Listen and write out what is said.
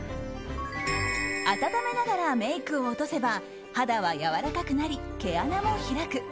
温めながらメイクを落とせば肌はやわらかくなり、毛穴も開く。